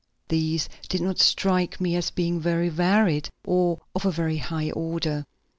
These did not strike me as being very varied or of a very high order.